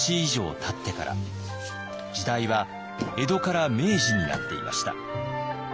時代は江戸から明治になっていました。